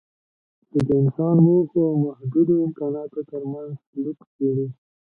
چې د انسان موخو او محدودو امکاناتو ترمنځ سلوک څېړي.